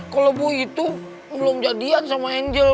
kalau bui itu belum jadian sama angel